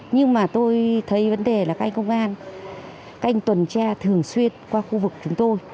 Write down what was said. nhưng mà tôi thấy vấn đề là các anh công an canh tuần tra thường xuyên qua khu vực chúng tôi